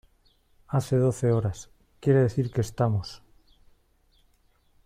hace doce horas, quiere decir que estamos